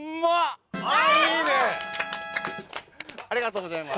ありがとうございます